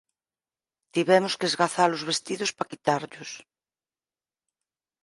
tivemos que esgaza-los vestidos para quitarllos.